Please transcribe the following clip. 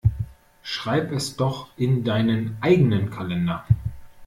Schreib es doch in deinen eigenen Kalender.